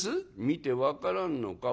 「見て分からんのか？」。